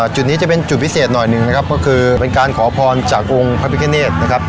จุดนี้จะเป็นจุดพิเศษหน่อยหนึ่งนะครับก็คือเป็นการขอพรจากองค์พระพิคเนธนะครับ